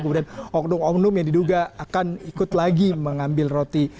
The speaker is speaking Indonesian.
kemudian oknum oknum yang diduga akan ikut lagi mengambil roti